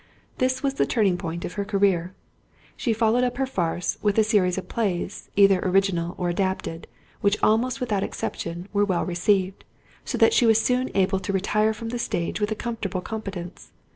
This was the turning point of her career. She followed up her farce with a series of plays, either original or adapted, which, almost without exception, were well received, so that she was soon able to retire from the stage with a comfortable competence.